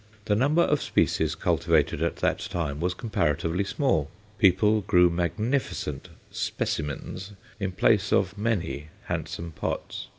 The number of species cultivated at that time was comparatively small. People grew magnificent "specimens" in place of many handsome pots.